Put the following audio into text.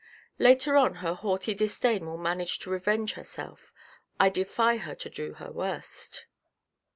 " Later on her haughty disdain will manage to revenge her self. I defy her to do her worst.